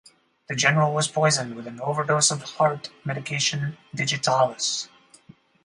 The General was poisoned with an overdose of the heart medication digitalis.